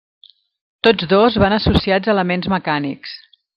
Tots dos van associats a elements mecànics.